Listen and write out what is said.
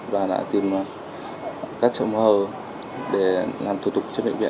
và lại tìm các trồng hờ để làm thủ tục trên bệnh viện